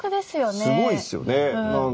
すごいですよね。